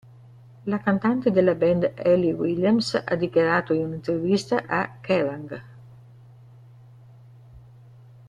La cantante della band Hayley Williams ha dichiarato in un'intervista a "Kerrang!